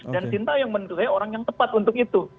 dan sintiong menurut saya orang yang tepat untuk itu